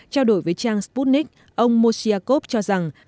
trao đổi với trang sputnik ông mosyakov cho rằng